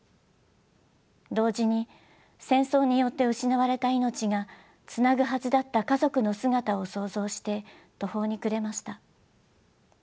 同時に戦争によって失われた命がつなぐはずだった家族の姿を想像して途方に暮れました。